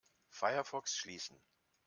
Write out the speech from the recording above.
Firefox schließen.